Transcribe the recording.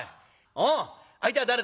おお相手は誰だ？